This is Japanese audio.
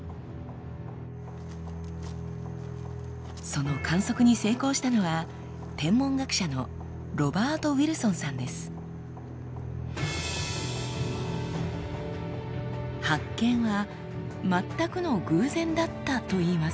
その観測に成功したのは発見は全くの偶然だったといいます。